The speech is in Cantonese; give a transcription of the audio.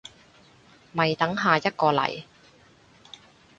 咪等下一個嚟